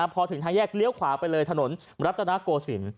พอถึงทางแยกเลี้ยวขวาไปเลยถนนรัฐนาโกศิลป